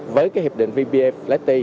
với cái hiệp định vpf lati